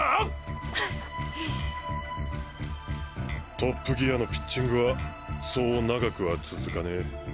トップギアのピッチングはそう長くは続かねえ。